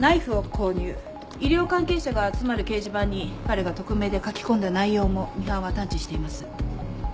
医療関係者が集まる掲示板に彼が匿名で書き込んだ内容もミハンは探知しています。